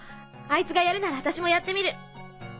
あいつがやるなら私もやってみる。